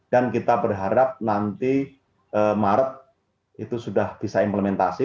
dan kita berharap nanti maret itu sudah bisa implementasi